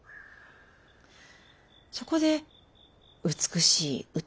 そこで美しい歌などを。